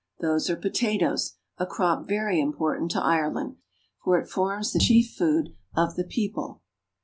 Those are potatoes, a crop very important to Ireland, for it forms the chief food of the people.